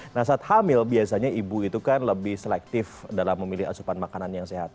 nah saat hamil biasanya ibu itu kan lebih selektif dalam memilih asupan makanan yang sehat